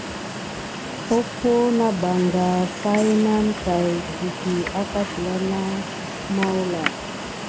Offo nà ɓanga pay nane tät ɗiti ki àkà telà na mawuala adef.